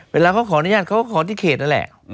เวลาเขาขออนุญาตเขาก็ขอที่เขตนั่นแหละ